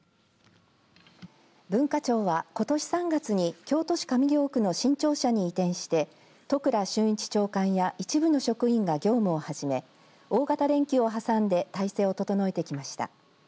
文化庁はことし３月に京都市上京区の新庁舎に移転して都倉俊一長官や一部の職員が業務をはじめ大型連休を挟んで体制を整えてきました。